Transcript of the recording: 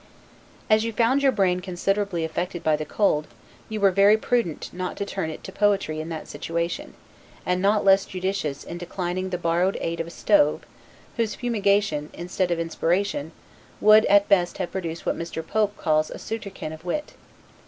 As you found your brain considerably affected by the cold, you were very prudent not to turn it to poetry in that situation; and not less judicious in declining the borrowed aid of a stove, whose fumigation, instead of inspiration, would at best have produced what Mr. Pope calls a souterkin of wit.